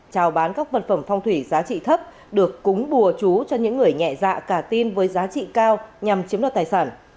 trào bán các vật phẩm phong thủy giá trị thấp được cúng bùa chú cho những người nhẹ dạ cả tin với giá trị cao nhằm chiếm đoạt tài sản